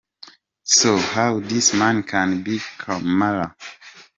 So how this man can be kamara!!?